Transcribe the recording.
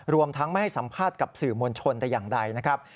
รวมทั้งไม่ให้สัมภาษณ์กับสื่อมวลชนแต่อย่างใดนะครับ